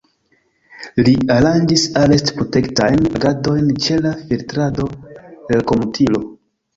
Li aranĝis arest-protektajn agadojn ĉe la Filtrado-Relkomutilo.